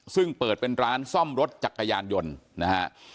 ซึ่งเปิดเป็นร้านซ่อมรถจักรยานยนต์นะฮะ